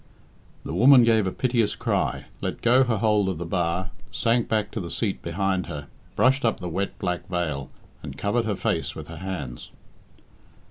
The woman gave a piteous cry, let go her hold of the bar, sank back to the seat behind her, brushed up the wet black veil, and covered her face with her hands.